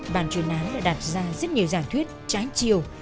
bàn chuyên án đã đặt ra rất nhiều giả thuyết trái chiều